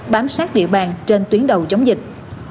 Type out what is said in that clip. bám sát địa bàn trên tuyến đầu chống dịch